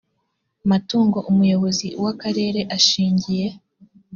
matungo umuyobozi w akarere ashingiye